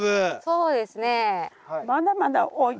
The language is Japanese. そうですね。